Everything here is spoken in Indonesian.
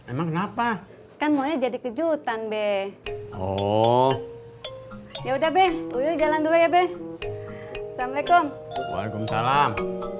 emang kenapa kan mau jadi kejutan be oh ya udah be uy jalan dulu ya be assalamualaikum waalaikumsalam